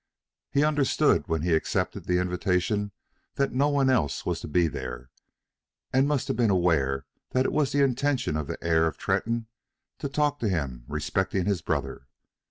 He understood when he accepted the invitation that no one else was to be there, and must have been aware that it was the intention of the heir of Tretton to talk to him respecting his brother.